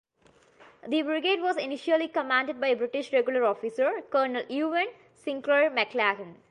The brigade was initially commanded by a British regular officer, Colonel Ewen Sinclair-Maclagan.